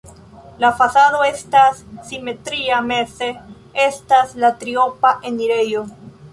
La fasado estas simetria, meze estas la triopa enirejo.